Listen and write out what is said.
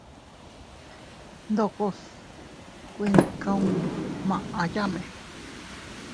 Ndokos kuetkumayame.